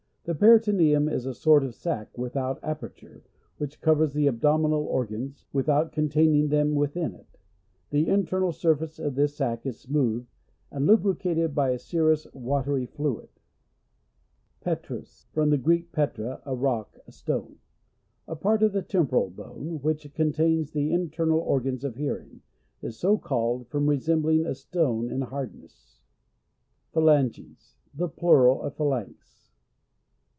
The peritoneum is a sort of sac without aperture, which covers the abdominal organs, without contain ing them within it; the internal surface of this sac is smooth, and lubricated by a serous (watery) fluid. Petrous. — From the Greek, petra, a rock, a stone. A part of the tem poral bone, which contains the in ternal organs of hearing, is so called from resembling a stone in hardness. Phalanges — The plural of Phalanx.